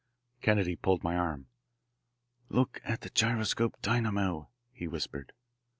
Kennedy pulled my arm. "Look at the gyroscope dynamo," he whispered.